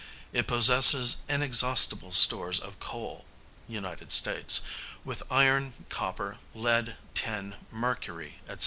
It possesses inexhaustible stores of coal (United States), with iron, copper, lead, tin, mercury, &c.